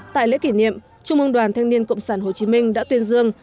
tại lễ kỷ niệm trung ương đoàn thanh niên cộng sản hồ chí minh đã tuyên dương